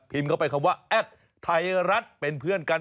พิมพ์เข้าไปคำว่าแอปไทรัตเป็นเพื่อนกัน